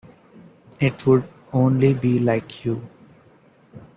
It would only be like you.